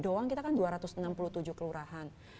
doang kita kan dua ratus enam puluh tujuh kelurahan